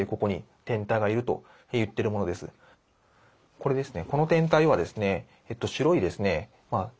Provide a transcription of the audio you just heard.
これですね。